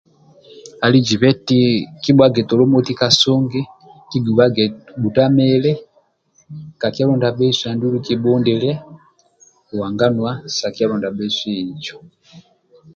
Ali zibe eti kibhuwage tolo moti ka sungi kigubage gbutuamili ka kyalo ndia bhesu andulu kibhundilie buhanganuwa sa kyalo ndiabhesu injo